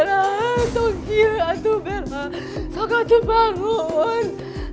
aku sudah bangun